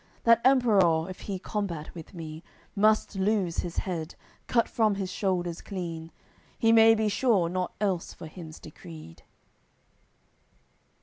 That Emperour, if he combat with me, Must lose his head, cut from his shoulders clean; He may be sure naught else for him's decreed.